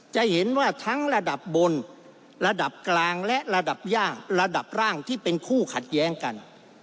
จะเห็นว่าทั้งระดับบนระดับกลางและระดับย่างระดับร่างที่เป็นคู่ขัดแย้งกัน